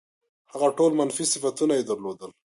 هغه ټول منفي صفتونه یې درلودل.